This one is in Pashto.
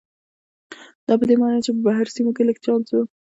دا په دې معنا و چې په بهر سیمو کې لږ چانس و.